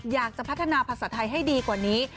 อยากจะพัฒนาภาษาไทยให้ดีกว่านี้